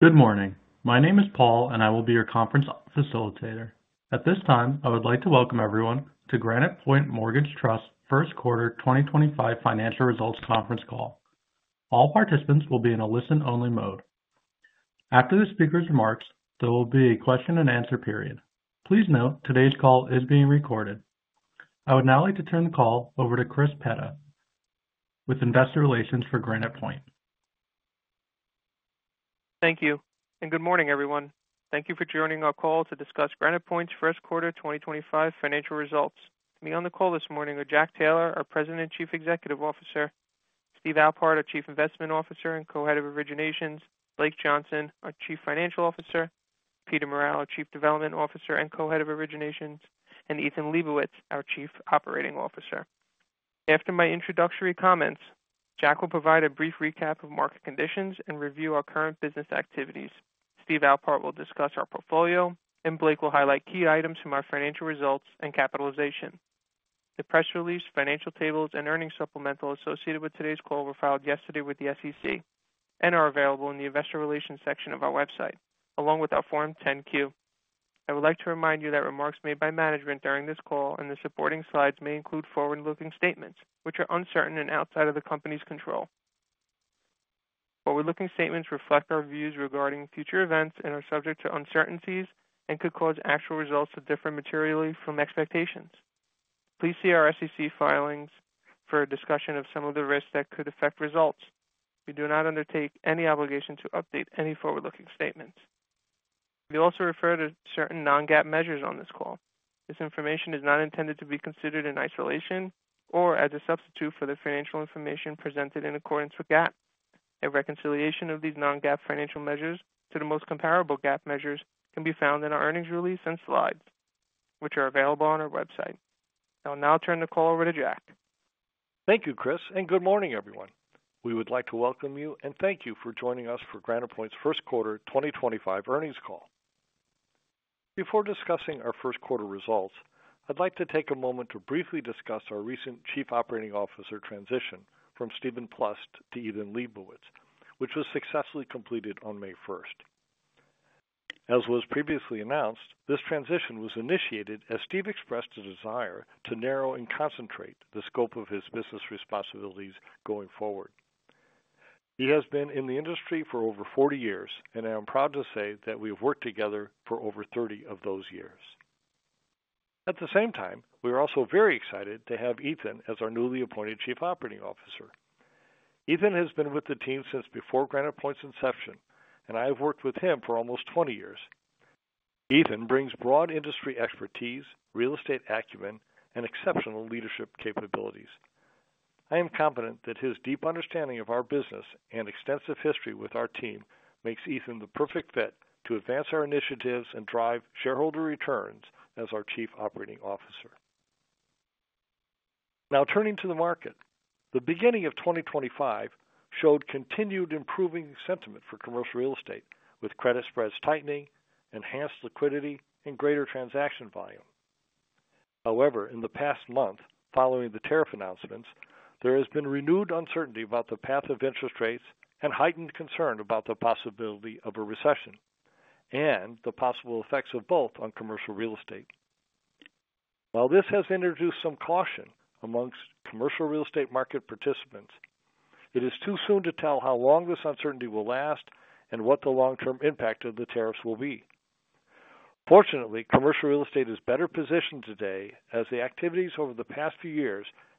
Good morning. My name is Paul, and I will be your conference facilitator. At this time, I would like to welcome everyone to Granite Point Mortgage Trust's first quarter 2025 financial results conference call. All participants will be in a listen-only mode. After the speaker's remarks, there will be a question-and-answer period. Please note today's call is being recorded. I would now like to turn the call over to Chris Petta with Investor Relations for Granite Point. Thank you. Good morning, everyone. Thank you for joining our call to discuss Granite Point's first quarter 2025 financial results. To be on the call this morning are Jack Taylor, our President and Chief Executive Officer, Steve Alpart, our Chief Investment Officer and Co-Head of Originations, Blake Johnson, our Chief Financial Officer, Peter Morrell, our Chief Development Officer and Co-Head of Originations, and Ethan Lebowitz, our Chief Operating Officer. After my introductory comments, Jack will provide a brief recap of market conditions and review our current business activities. Steve Alpart will discuss our portfolio, and Blake will highlight key items from our financial results and capitalization. The press release, financial tables, and earnings supplemental associated with today's call were filed yesterday with the SEC and are available in the Investor Relations section of our website, along with our Form 10-Q. I would like to remind you that remarks made by management during this call and the supporting slides may include forward-looking statements, which are uncertain and outside of the company's control. Forward-looking statements reflect our views regarding future events and are subject to uncertainties and could cause actual results to differ materially from expectations. Please see our SEC filings for a discussion of some of the risks that could affect results. We do not undertake any obligation to update any forward-looking statements. We also refer to certain non-GAAP measures on this call. This information is not intended to be considered in isolation or as a substitute for the financial information presented in accordance with GAAP. A reconciliation of these non-GAAP financial measures to the most comparable GAAP measures can be found in our earnings release and slides, which are available on our website. I'll now turn the call over to Jack. Thank you, Chris, and good morning, everyone. We would like to welcome you and thank you for joining us for Granite Point's first quarter 2025 earnings call. Before discussing our first quarter results, I'd like to take a moment to briefly discuss our recent Chief Operating Officer transition from Steven Plust to Ethan Lebowitz, which was successfully completed on May 1st. As was previously announced, this transition was initiated as Steve expressed a desire to narrow and concentrate the scope of his business responsibilities going forward. He has been in the industry for over 40 years, and I am proud to say that we have worked together for over 30 of those years. At the same time, we are also very excited to have Ethan as our newly appointed Chief Operating Officer. Ethan has been with the team since before Granite Point's inception, and I have worked with him for almost 20 years. Ethan brings broad industry expertise, real estate acumen, and exceptional leadership capabilities. I am confident that his deep understanding of our business and extensive history with our team makes Ethan the perfect fit to advance our initiatives and drive shareholder returns as our Chief Operating Officer. Now, turning to the market, the beginning of 2025 showed continued improving sentiment for commercial real estate, with credit spreads tightening, enhanced liquidity, and greater transaction volume. However, in the past month following the tariff announcements, there has been renewed uncertainty about the path of interest rates and heightened concern about the possibility of a recession and the possible effects of both on commercial real estate. While this has introduced some caution amongst commercial real estate market participants, it is too soon to tell how long this uncertainty will last and what the long-term impact of the tariffs will be. Fortunately, commercial real estate is better positioned today as the activities over the past few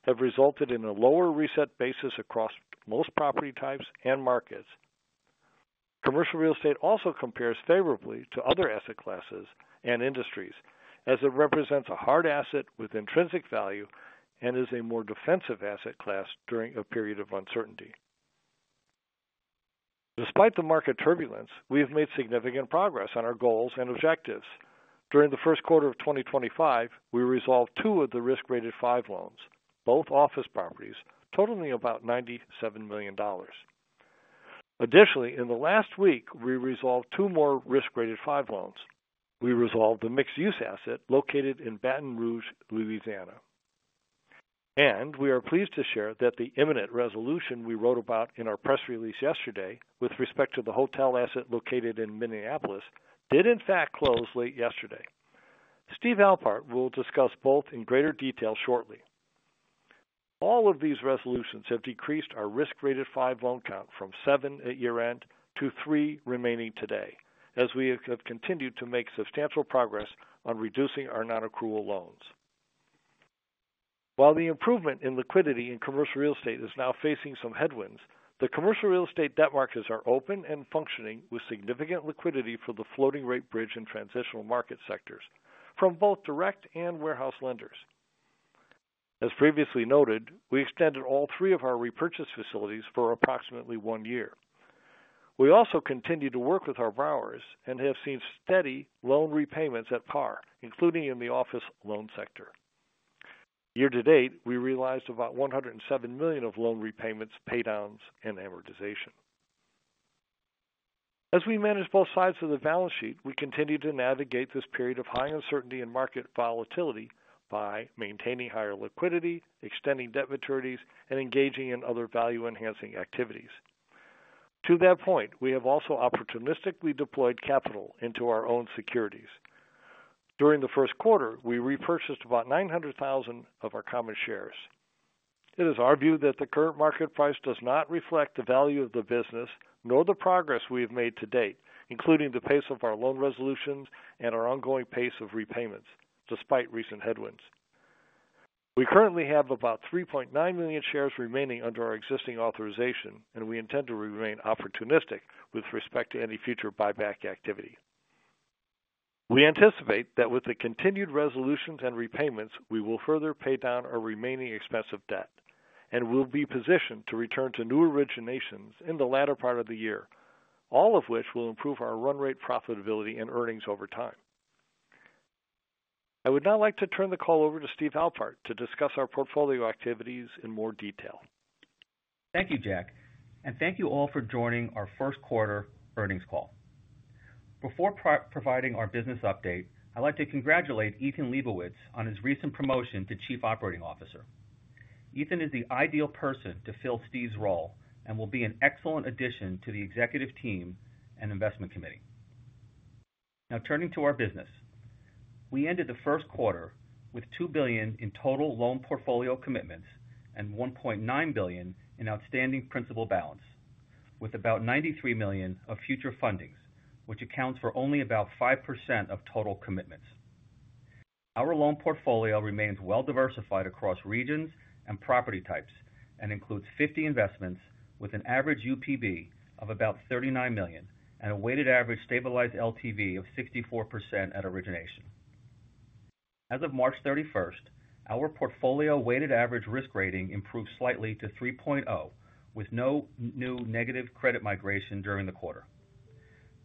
years have resulted in a lower reset basis across most property types and markets. Commercial real estate also compares favorably to other asset classes and industries, as it represents a hard asset with intrinsic value and is a more defensive asset class during a period of uncertainty. Despite the market turbulence, we have made significant progress on our goals and objectives. During the first quarter of 2025, we resolved two of the risk rated 5 loans, both office properties, totaling about $97 million. Additionally, in the last week, we resolved two more risk rated 5 loans. We resolved the mixed-use asset located in Baton Rouge, Louisiana. We are pleased to share that the imminent resolution we wrote about in our press release yesterday with respect to the hotel asset located in Minneapolis did, in fact, close late yesterday. Steve Alpart will discuss both in greater detail shortly. All of these resolutions have decreased our risk rated 5 loan count from seven at year-end to three remaining today, as we have continued to make substantial progress on reducing our non-accrual loans. While the improvement in liquidity in commercial real estate is now facing some headwinds, the commercial real estate debt markets are open and functioning with significant liquidity for the floating rate bridge and transitional market sectors from both direct and warehouse lenders. As previously noted, we extended all three of our repurchase facilities for approximately one year. We also continue to work with our borrowers and have seen steady loan repayments at par, including in the office loan sector. Year to date, we realized about $107 million of loan repayments, paydowns, and amortization. As we manage both sides of the balance sheet, we continue to navigate this period of high uncertainty and market volatility by maintaining higher liquidity, extending debt maturities, and engaging in other value-enhancing activities. To that point, we have also opportunistically deployed capital into our own securities. During the first quarter, we repurchased about 900,000 of our common shares. It is our view that the current market price does not reflect the value of the business nor the progress we have made to date, including the pace of our loan resolutions and our ongoing pace of repayments, despite recent headwinds. We currently have about 3.9 million shares remaining under our existing authorization, and we intend to remain opportunistic with respect to any future buyback activity. We anticipate that with the continued resolutions and repayments, we will further pay down our remaining expensive debt and will be positioned to return to new originations in the latter part of the year, all of which will improve our run rate profitability and earnings over time. I would now like to turn the call over to Steve Alpart to discuss our portfolio activities in more detail. Thank you, Jack. Thank you all for joining our first quarter earnings call. Before providing our business update, I'd like to congratulate Ethan Lebowitz on his recent promotion to Chief Operating Officer. Ethan is the ideal person to fill Steve's role and will be an excellent addition to the executive team and investment committee. Now, turning to our business, we ended the first quarter with $2 billion in total loan portfolio commitments and $1.9 billion in outstanding principal balance, with about $93 million of future fundings, which accounts for only about 5% of total commitments. Our loan portfolio remains well-diversified across regions and property types and includes 50 investments with an average UPB of about $39 million and a weighted average stabilized LTV of 64% at origination. As of March 31st, our portfolio weighted average risk rating improved slightly to 3.0, with no new negative credit migration during the quarter.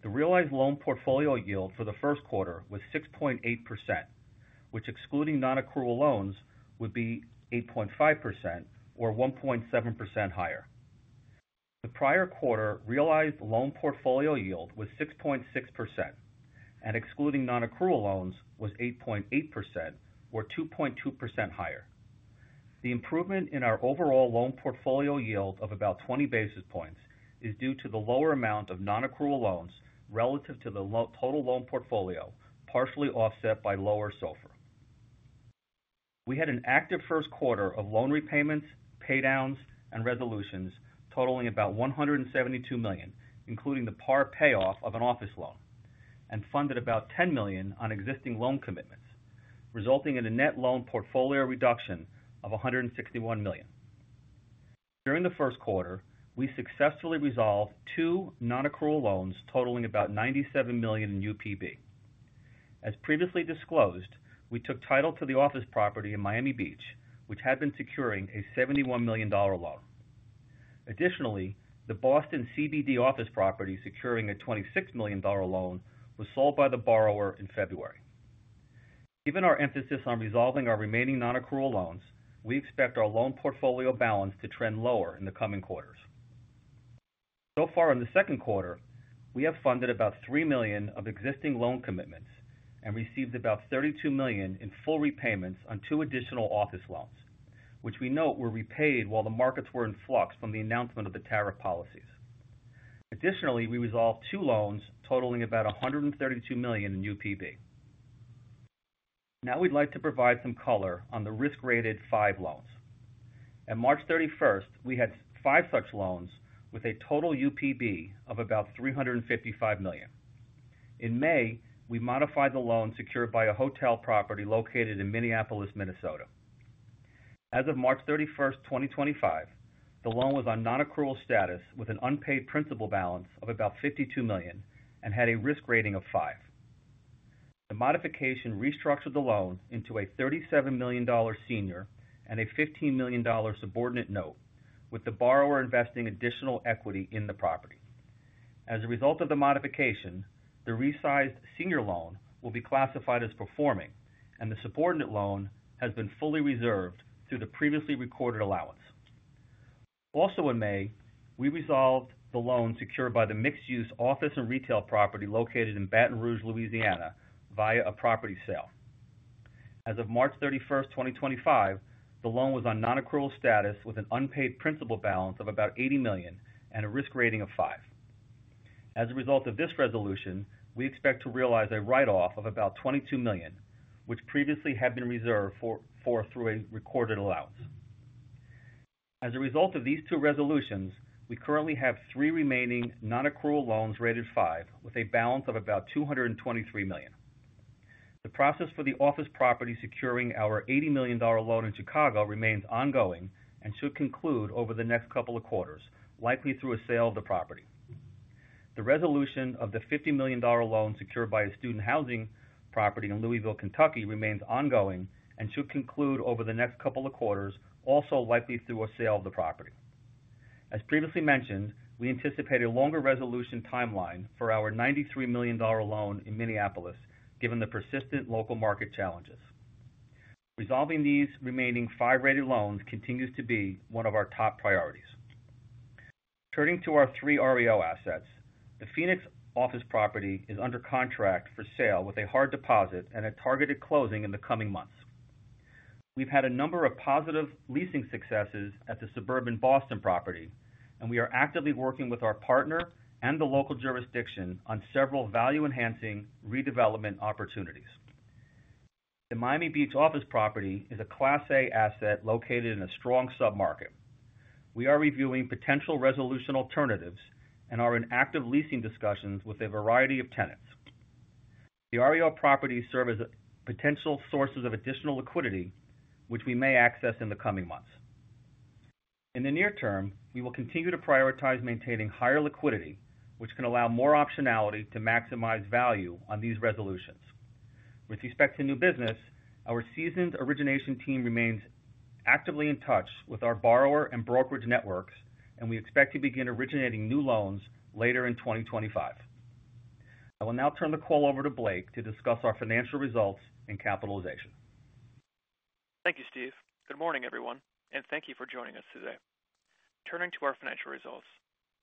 The realized loan portfolio yield for the first quarter was 6.8%, which, excluding non-accrual loans, would be 8.5% or 1.7% higher. The prior quarter realized loan portfolio yield was 6.6%, and excluding non-accrual loans, was 8.8% or 2.2% higher. The improvement in our overall loan portfolio yield of about 20 basis points is due to the lower amount of non-accrual loans relative to the total loan portfolio, partially offset by lower SOFR. We had an active first quarter of loan repayments, paydowns, and resolutions totaling about $172 million, including the par payoff of an office loan, and funded about $10 million on existing loan commitments, resulting in a net loan portfolio reduction of $161 million. During the first quarter, we successfully resolved two non-accrual loans totaling about $97 million in UPB. As previously disclosed, we took title to the office property in Miami Beach, which had been securing a $71 million loan. Additionally, the Boston CBD office property securing a $26 million loan was sold by the borrower in February. Given our emphasis on resolving our remaining non-accrual loans, we expect our loan portfolio balance to trend lower in the coming quarters. In the second quarter, we have funded about $3 million of existing loan commitments and received about $32 million in full repayments on two additional office loans, which we note were repaid while the markets were in flux from the announcement of the tariff policies. Additionally, we resolved two loans totaling about $132 million in UPB. Now, we'd like to provide some color on the risk rated 5 loans. At March 31st, we had five such loans with a total UPB of about $355 million. In May, we modified the loan secured by a hotel property located in Minneapolis, Minnesota. As of March 31st, 2025, the loan was on non-accrual status with an unpaid principal balance of about $52 million and had a risk rating of 5. The modification restructured the loan into a $37 million senior and a $15 million subordinate note, with the borrower investing additional equity in the property. As a result of the modification, the resized senior loan will be classified as performing, and the subordinate loan has been fully reserved through the previously recorded allowance. Also, in May, we resolved the loan secured by the mixed-use office and retail property located in Baton Rouge, Louisiana, via a property sale. As of March 31st, 2025, the loan was on non-accrual status with an unpaid principal balance of about $80 million and a risk rating of 5. As a result of this resolution, we expect to realize a write-off of about $22 million, which previously had been reserved for through a recorded allowance. As a result of these two resolutions, we currently have three remaining non-accrual loans rated 5 with a balance of about $223 million. The process for the office property securing our $80 million loan in Chicago remains ongoing and should conclude over the next couple of quarters, likely through a sale of the property. The resolution of the $50 million loan secured by a student housing property in Louisville, Kentucky, remains ongoing and should conclude over the next couple of quarters, also likely through a sale of the property. As previously mentioned, we anticipate a longer resolution timeline for our $93 million loan in Minneapolis, given the persistent local market challenges. Resolving these remaining 5-rated loans continues to be one of our top priorities. Turning to our three REO assets, the Phoenix office property is under contract for sale with a hard deposit and a targeted closing in the coming months. We've had a number of positive leasing successes at the suburban Boston property, and we are actively working with our partner and the local jurisdiction on several value-enhancing redevelopment opportunities. The Miami Beach office property is a Class A asset located in a strong submarket. We are reviewing potential resolution alternatives and are in active leasing discussions with a variety of tenants. The REO properties serve as potential sources of additional liquidity, which we may access in the coming months. In the near term, we will continue to prioritize maintaining higher liquidity, which can allow more optionality to maximize value on these resolutions. With respect to new business, our seasoned origination team remains actively in touch with our borrower and brokerage networks, and we expect to begin originating new loans later in 2025. I will now turn the call over to Blake to discuss our financial results and capitalization. Thank you, Steve. Good morning, everyone, and thank you for joining us today. Turning to our financial results,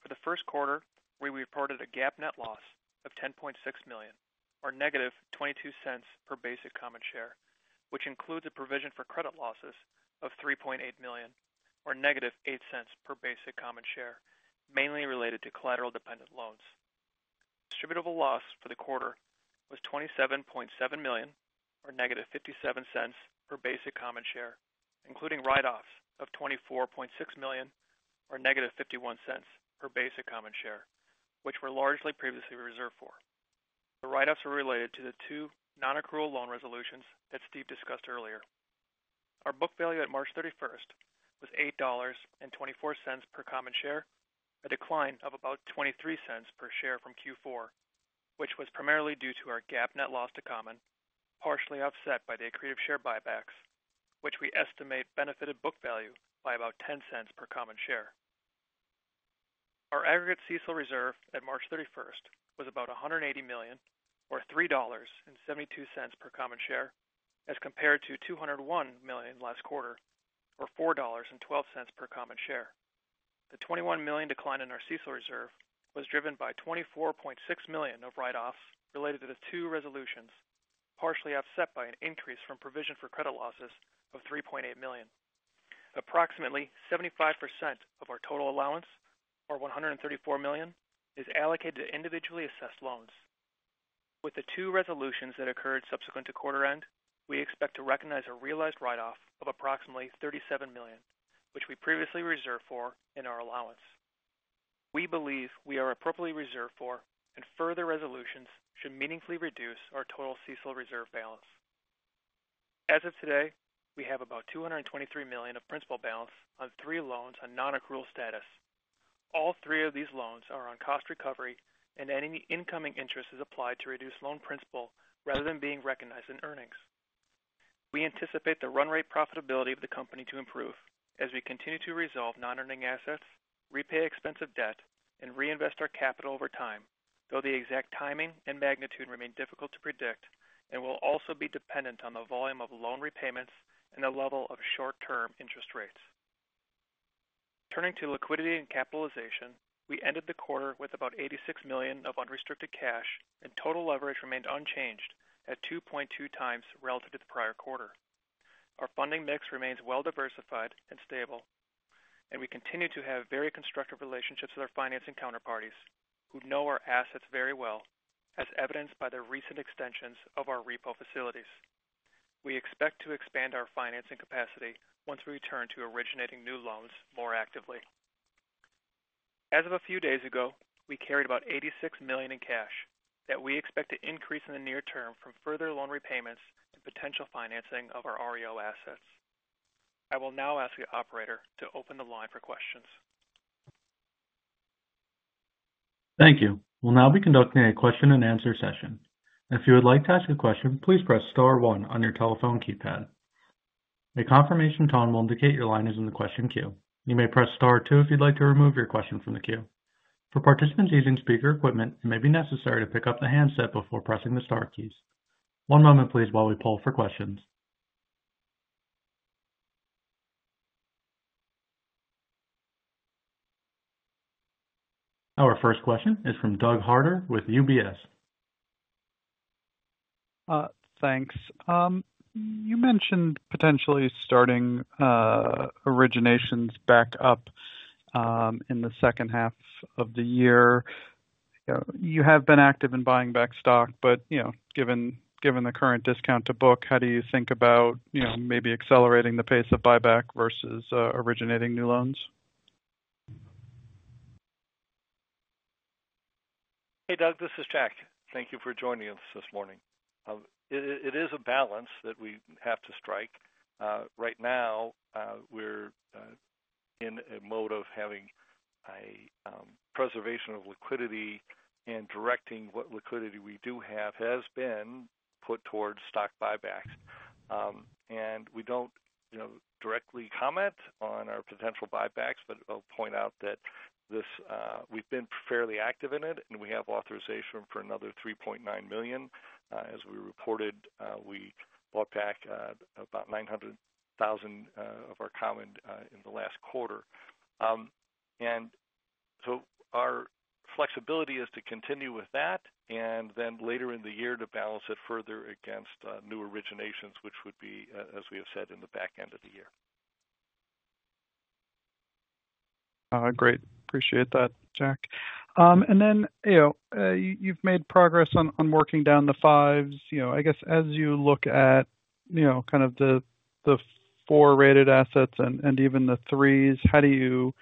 for the first quarter, we reported a GAAP net loss of $10.6 million, or negative $0.22 per basic common share, which includes a provision for credit losses of $3.8 million, or negative $0.08 per basic common share, mainly related to collateral-dependent loans. Distributable loss for the quarter was $27.7 million, or negative $0.57 per basic common share, including write-offs of $24.6 million, or negative $0.51 per basic common share, which were largely previously reserved for. The write-offs were related to the two non-accrual loan resolutions that Steve discussed earlier. Our book value at March 31st was $8.24 per common share, a decline of about $0.23 per share from Q4, which was primarily due to our GAAP net loss to common, partially offset by the accretive share buybacks, which we estimate benefited book value by about $0.10 per common share. Our aggregate CECL reserve at March 31st was about $180 million, or $3.72 per common share, as compared to $201 million last quarter, or $4.12 per common share. The $21 million decline in our CECL reserve was driven by $24.6 million of write-offs related to the two resolutions, partially offset by an increase from provision for credit losses of $3.8 million. Approximately 75% of our total allowance, or $134 million, is allocated to individually assessed loans. With the two resolutions that occurred subsequent to quarter end, we expect to recognize a realized write-off of approximately $37 million, which we previously reserved for in our allowance. We believe we are appropriately reserved for, and further resolutions should meaningfully reduce our total CECL reserve balance. As of today, we have about $223 million of principal balance on three loans on non-accrual status. All three of these loans are on cost recovery, and any incoming interest is applied to reduce loan principal rather than being recognized in earnings. We anticipate the run rate profitability of the company to improve as we continue to resolve non-earning assets, repay expensive debt, and reinvest our capital over time, though the exact timing and magnitude remain difficult to predict and will also be dependent on the volume of loan repayments and the level of short-term interest rates. Turning to liquidity and capitalization, we ended the quarter with about $86 million of unrestricted cash, and total leverage remained unchanged at 2.2 times relative to the prior quarter. Our funding mix remains well-diversified and stable, and we continue to have very constructive relationships with our financing counterparties, who know our assets very well, as evidenced by the recent extensions of our repo facilities. We expect to expand our financing capacity once we return to originating new loans more actively. As of a few days ago, we carried about $86 million in cash that we expect to increase in the near term from further loan repayments and potential financing of our REO assets. I will now ask the operator to open the line for questions. Thank you. We'll now be conducting a question-and-answer session. If you would like to ask a question, please press star one on your telephone keypad. A confirmation tone will indicate your line is in the question queue. You may press star two if you'd like to remove your question from the queue. For participants using speaker equipment, it may be necessary to pick up the handset before pressing the star keys. One moment, please, while we poll for questions. Our first question is from Doug Harter with UBS. Thanks. You mentioned potentially starting originations back up in the second half of the year. You have been active in buying back stock, but given the current discount to book, how do you think about maybe accelerating the pace of buyback versus originating new loans? Hey, Doug, this is Jack. Thank you for joining us this morning. It is a balance that we have to strike. Right now, we're in a mode of having a preservation of liquidity and directing what liquidity we do have has been put towards stock buybacks. We do not directly comment on our potential buybacks, but I'll point out that we've been fairly active in it, and we have authorization for another $3.9 million. As we reported, we bought back about $900,000 of our common in the last quarter. Our flexibility is to continue with that and then later in the year to balance it further against new originations, which would be, as we have said, in the back end of the year. Great. Appreciate that, Jack. You've made progress on working down the 5s. I guess as you look at kind of the 4-rated assets and even the 3, how do you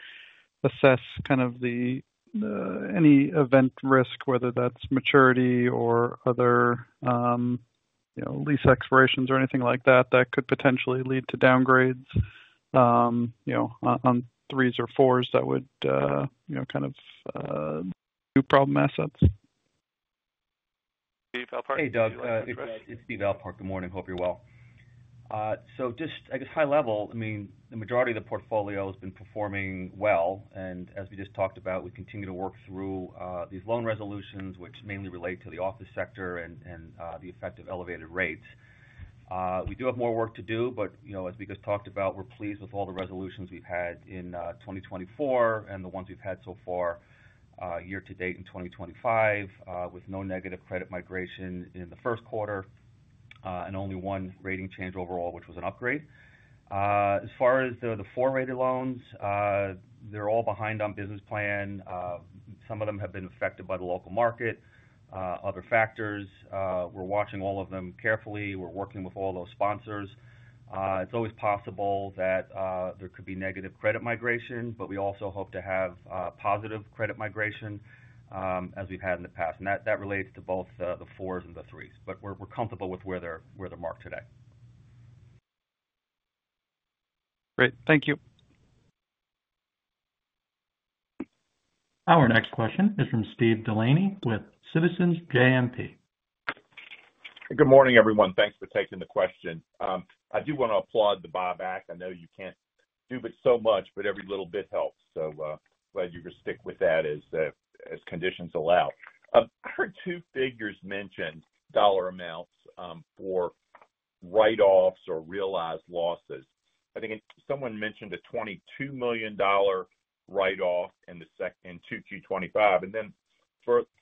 assess kind of any event risk, whether that's maturity or other lease expirations or anything like that that could potentially lead to downgrades on threes or fours that would kind of do problem assets? Good morning. It's Steve Alpart. Good morning. Hope you're well. Just, I guess, high level, I mean, the majority of the portfolio has been performing well. As we just talked about, we continue to work through these loan resolutions, which mainly relate to the office sector and the effect of elevated rates. We do have more work to do, but as we just talked about, we're pleased with all the resolutions we've had in 2024 and the ones we've had so far year to date in 2025, with no negative credit migration in the first quarter and only one rating change overall, which was an upgrade. As far as the 4-rated loans, they're all behind on business plan. Some of them have been affected by the local market, other factors. We're watching all of them carefully. We're working with all those sponsors. is always possible that there could be negative credit migration, but we also hope to have positive credit migration as we have had in the past. That relates to both the fours and the threes. We are comfortable with where they are marked today. Great. Thank you. Our next question is from Steve Delaney with Citizens JMP. Good morning, everyone. Thanks for taking the question. I do want to applaud the buyback. I know you can't do it so much, but every little bit helps. Glad you could stick with that as conditions allow. I heard two figures mentioned, dollar amounts for write-offs or realized losses. I think someone mentioned a $22 million write-off in Q2 2025.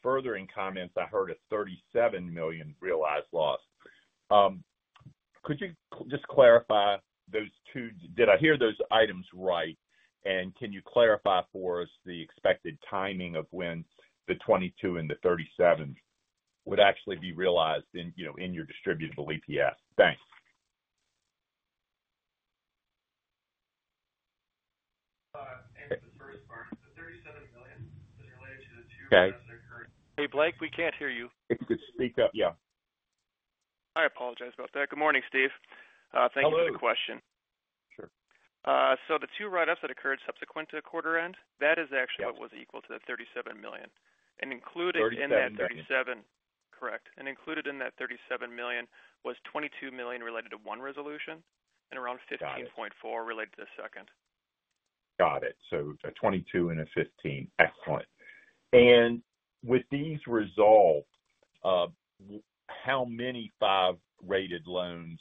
Further in comments, I heard a $37 million realized loss. Could you just clarify those two? Did I hear those items right? Can you clarify for us the expected timing of when the $22 million and the $37 million would actually be realized in your distributable EPS? Thanks. The first part, the $37 million is related to the two write-offs that occurred. Hey, Blake, we can't hear you. If you could speak up, yeah. I apologize about that. Good morning, Steve. Thank you for the question. Hello. The two write-offs that occurred subsequent to quarter end, that is actually what was equal to the $37 million. Included in that $37 million. Sorry, I didn't hear you. Correct. Included in that $37 million was $22 million related to one resolution and around $15.4 million related to the second. Got it. So a $22 million and a $15 million. Excellent. And with these resolved, how many 5-rated loans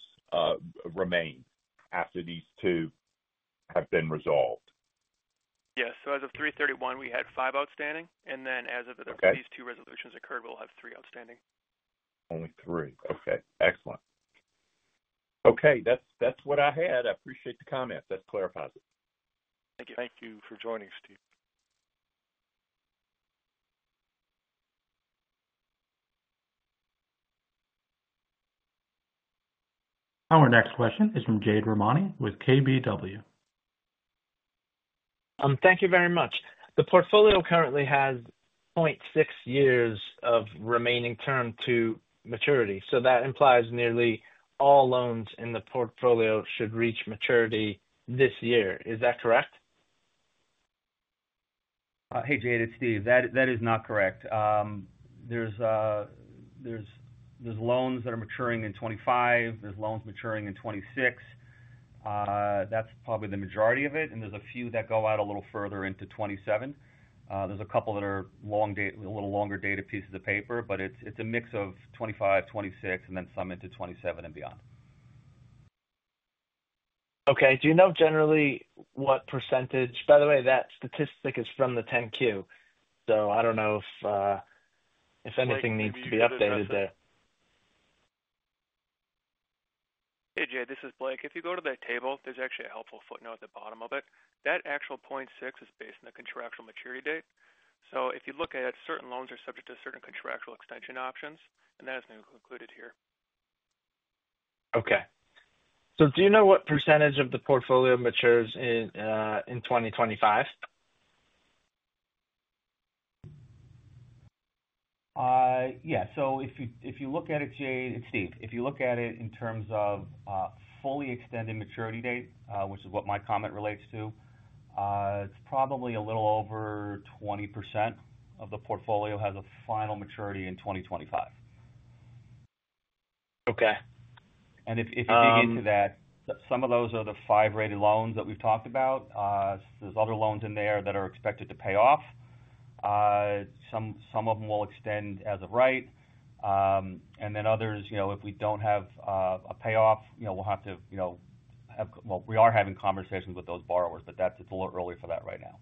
remain after these two have been resolved? Yeah. As of 3/31, we had five outstanding. And then as of the. Okay. These two resolutions occurred, we'll have three outstanding. Only three. Okay. Excellent. Okay. That's what I had. I appreciate the comments. That clarifies it. Thank you. Thank you for joining, Steve. Our next question is from Jade Rahmani with KBW. Thank you very much. The portfolio currently has 0.6 years of remaining term to maturity. So that implies nearly all loans in the portfolio should reach maturity this year. Is that correct? Hey, Jade, it's Steve. That is not correct. There are loans that are maturing in 2025. There are loans maturing in 2026. That is probably the majority of it. There are a few that go out a little further into 2027. There are a couple that are a little longer dated pieces of paper, but it is a mix of 2025, 2026, and then some into 2027 and beyond. Okay. Do you know generally what percentage? By the way, that statistic is from the 10-Q. So I do not know if anything needs to be updated there. Hey, Jade, this is Blake. If you go to that table, there's actually a helpful footnote at the bottom of it. That actual 0.6 is based on the contractual maturity date. If you look at it, certain loans are subject to certain contractual extension options, and that is included here. Okay. So do you know what percentage of the portfolio matures in 2025? Yeah. If you look at it, Jade, it's Steve. If you look at it in terms of fully extended maturity date, which is what my comment relates to, it's probably a little over 20% of the portfolio has a final maturity in 2025. Okay. If you dig into that, some of those are the 5-rated loans that we've talked about. There are other loans in there that are expected to pay off. Some of them will extend as of right. Others, if we do not have a payoff, we will have to have—we are having conversations with those borrowers, but it is a little early for that right now.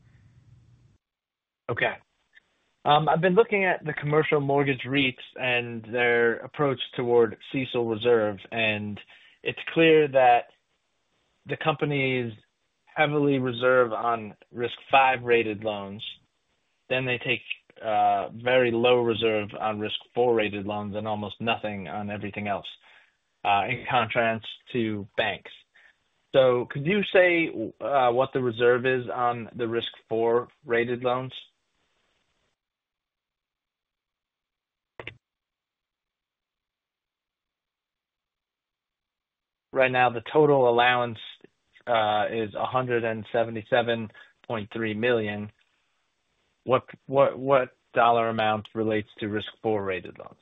Okay. I've been looking at the commercial mortgage REITs and their approach toward CECL reserve. It's clear that the companies heavily reserve on risk 5-rated loans. They take very low reserve on risk four-rated loans and almost nothing on everything else, in contrast to banks. Could you say what the reserve is on the risk 4-rated loans? Right now, the total allowance is $177.3 million. What dollar amount relates to risk 4-rated loans?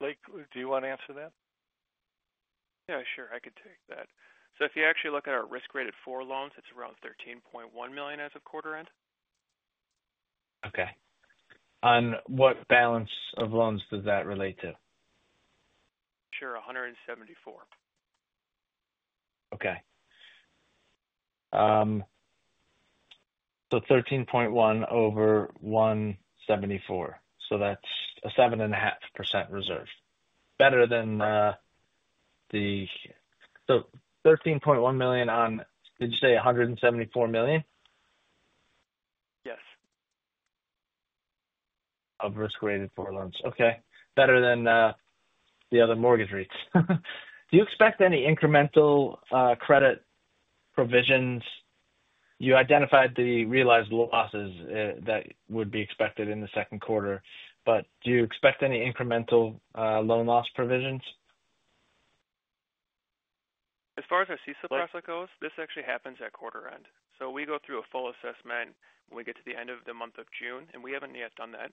Blake, do you want to answer that? Yeah, sure. I could take that. If you actually look at our risk-rated 4 loans, it is around $13.1 million as of quarter end. Okay. What balance of loans does that relate to? Sure. $174 million. Okay. So $13.1 million over $174 million. So that's a 7.5% reserve. Better than the—so $13.1 million on, did you say $174 million? Yes. Of risk-rated 4 loans. Okay. Better than the other mortgage REITs. Do you expect any incremental credit provisions? You identified the realized losses that would be expected in the second quarter, but do you expect any incremental loan loss provisions? As far as our CECL reserve goes, this actually happens at quarter end. We go through a full assessment when we get to the end of the month of June, and we have not yet done that.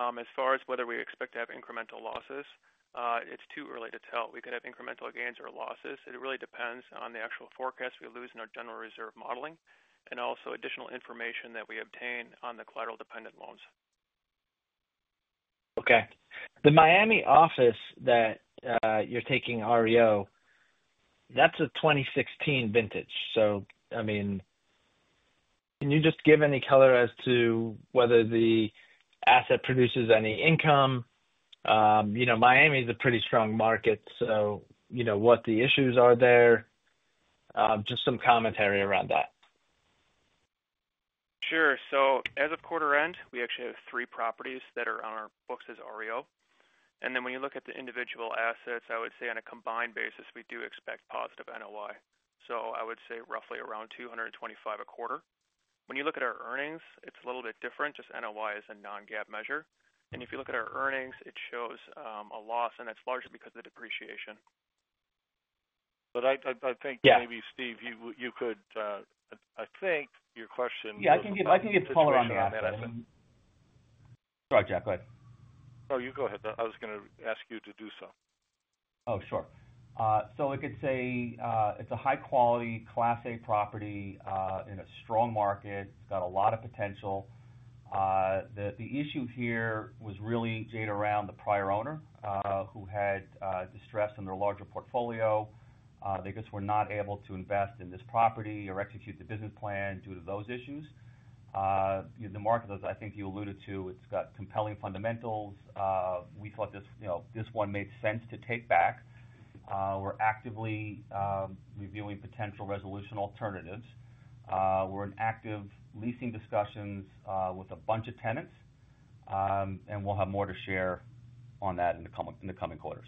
As far as whether we expect to have incremental losses, it is too early to tell. We could have incremental gains or losses. It really depends on the actual forecast we use in our general reserve modeling and also additional information that we obtain on the collateral-dependent loans. Okay. The Miami office that you're taking REO, that's a 2016 vintage. I mean, can you just give any color as to whether the asset produces any income? Miami is a pretty strong market, what the issues are there, just some commentary around that. Sure. As of quarter end, we actually have three properties that are on our books as REO. When you look at the individual assets, I would say on a combined basis, we do expect positive NOI. I would say roughly around $225,000 a quarter. When you look at our earnings, it is a little bit different. NOI is a non-GAAP measure. If you look at our earnings, it shows a loss, and that is largely because of the depreciation. I think maybe, Steve, you could—I think your question. Yeah, I can get the color on that. Sorry, Jack. Go ahead. No, you go ahead. I was going to ask you to do so. Oh, sure. It could say it's a high-quality Class A property in a strong market. It's got a lot of potential. The issue here was really around the prior owner who had distress in their larger portfolio. They just were not able to invest in this property or execute the business plan due to those issues. The market, as I think you alluded to, it's got compelling fundamentals. We thought this one made sense to take back. We're actively reviewing potential resolution alternatives. We're in active leasing discussions with a bunch of tenants, and we'll have more to share on that in the coming quarters.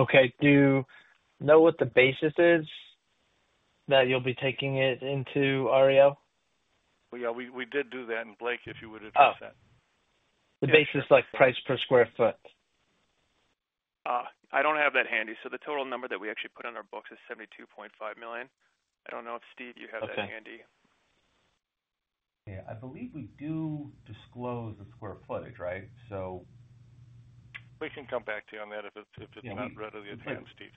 Okay. Do you know what the basis is that you'll be taking it into REO? Yeah, we did do that. Blake, if you would address that. The basis is like price per square foot. I don't have that handy. The total number that we actually put on our books is $72.5 million. I don't know if Steve, you have that handy. Yeah. I believe we do disclose the square footage, right? We can come back to you on that if it's not readily at hand, Steve.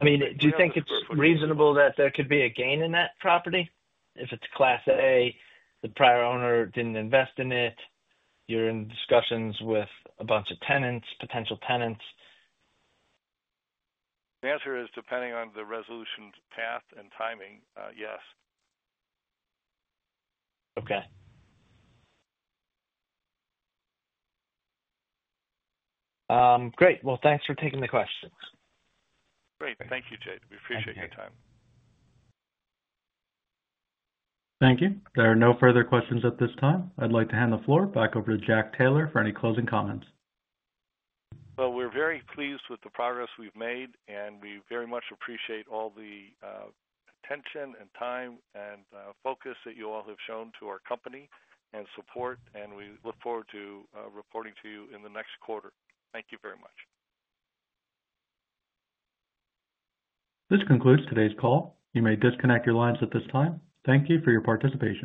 I mean, do you think it's reasonable that there could be a gain in that property if it's Class A, the prior owner didn't invest in it? You're in discussions with a bunch of potential tenants. The answer is, depending on the resolution path and timing, yes. Okay. Great. Thanks for taking the questions. Great. Thank you, Jade. We appreciate your time. Thank you. There are no further questions at this time. I'd like to hand the floor back over to Jack Taylor for any closing comments. We are very pleased with the progress we have made, and we very much appreciate all the attention and time and focus that you all have shown to our company and support. We look forward to reporting to you in the next quarter. Thank you very much. This concludes today's call. You may disconnect your lines at this time. Thank you for your participation.